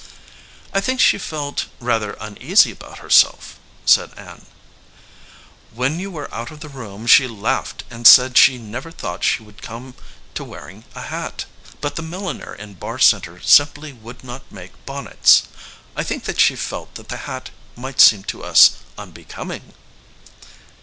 "I think she felt rather uneasy about it herself," said Ann. "When you were out of the room she laughed and said she never thought she would come to wearing a hat, but the milliner in Barr Center sim ply would not make bonnets. I think she felt that the hat might seem to us unbecoming."